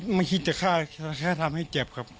ไม่คิดจะฆ่าแค่ทำให้เจ็บครับ